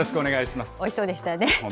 おいしそうでしたね。